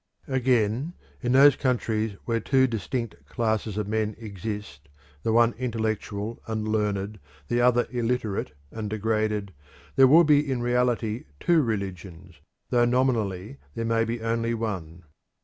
Again, in those countries where two distinct classes of men exist, the one intellectual and learned, the other illiterate and degraded, there will be in reality two religions, though nominally there may be only one.